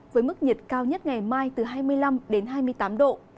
với mức nhiệt cao nhất ngày mai từ hai mươi năm đến hai mươi tám độ